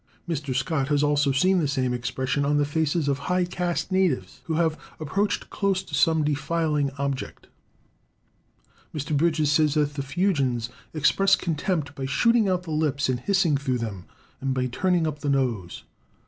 Mr. Scott has also seen the same expression on the faces of high caste natives who have approached close to some defiling object. Mr. Bridges says that the Fuegians "express contempt by shooting out the lips and hissing through them, and by turning up the nose."